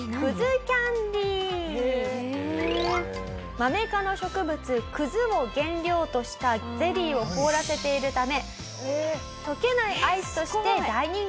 マメ科の植物葛を原料としたゼリーを凍らせているため溶けないアイスとして大人気。